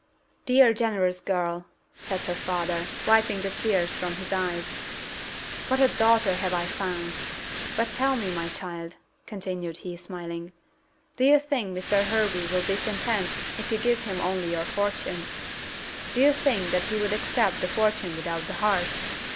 "Dear, generous girl," said her father, wiping the tears from his eyes, "what a daughter have I found! But tell me, my child," continued he, smiling, "do you think Mr. Hervey will be content if you give him only your fortune? Do you think that he would accept the fortune without the heart?